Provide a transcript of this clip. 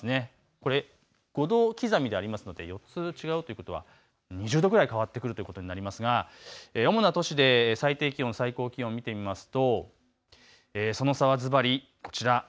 これ５度刻みでありますので２０度くらい変わってくることになりますが主な都市で最低気温、最高気温を見てみますとその差はずばりこちらです。